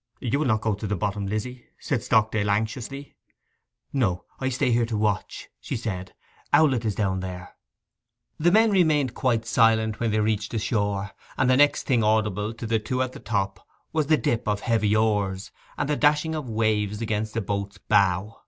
'You will not go to the bottom, Lizzy?' said Stockdale anxiously. 'No. I stay here to watch,' she said. 'Owlett is down there.' The men remained quite silent when they reached the shore; and the next thing audible to the two at the top was the dip of heavy oars, and the dashing of waves against a boat's bow.